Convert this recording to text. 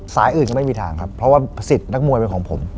สายอื่นก็ไม่มีทางครับเพราะว่าสิทธิ์นักมวยเป็นของผม